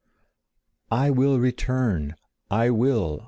'I will return! I will!